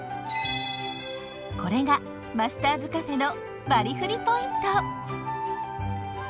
これがマスターズＣａｆｅのバリフリポイント！